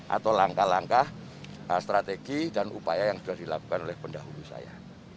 atau langkah langkah strategi dan upaya yang sudah dilakukan oleh pendahulu saya